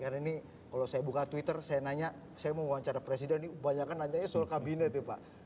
karena ini kalau saya buka twitter saya nanya saya mau wawancara presiden ini banyaknya nanyanya soal kabinet ya pak